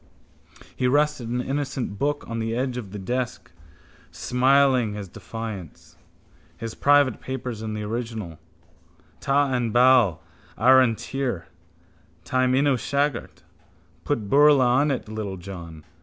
He rested an innocent book on the edge of the desk, smiling his defiance. His private papers in the original. Ta an bad ar an tir. Taim in mo shagart. Put beurla on it, littlejohn.